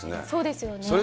そうですよね。